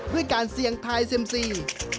ด้วยการเสี่ยงทายเซ็มซี